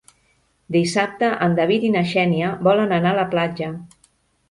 Dissabte en David i na Xènia volen anar a la platja.